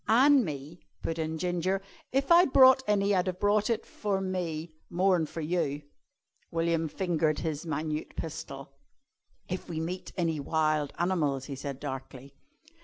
"An' me," put in Ginger. "If I'd brought any I'd have brought it for me more'n for you." William fingered his minute pistol. "If we meet any wild animals ..." he said darkly.